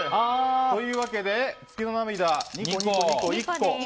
というわけで月の涙２個、２個、２個、１個。